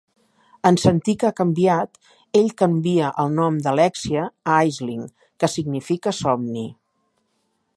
En sentir que ha canviat, ell canvia el nom d'Alexia a Aisling, que significa "somni".